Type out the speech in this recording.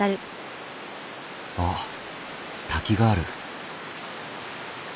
あっ滝がある。